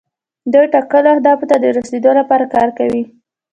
دوی ټاکلو اهدافو ته د رسیدو لپاره کار کوي.